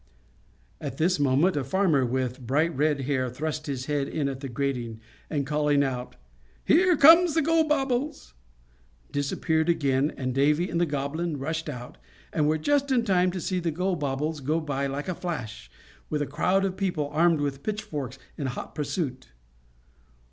At this moment a farmer, with bright red hair, thrust his head in at the grating, and calling out, "Here comes Gobobbles!" disappeared again; and Davy and the Goblin rushed out, and were just in time to see Gobobbles go by like a flash, with a crowd of people armed with pitchforks in hot pursuit.